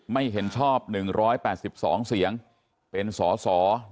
ไม่เห็นชอบ๑๘๒เสียงเป็นสอสอ